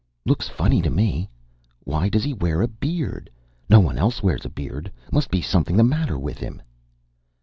"Looks funny to me. Why does he wear a beard? No one else wears a beard. Must be something the matter with him."